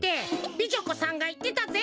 美女子さんがいってたぜ。